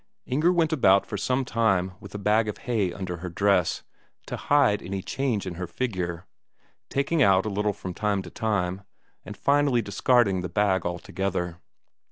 Inger went about for some time with a bag of hay under her dress, to hide any change in her figure, taking out a little from time to time, and finally discarding the bag altogether.